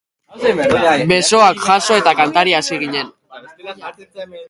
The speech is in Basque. Besoak jaso eta kantari hasi ginen.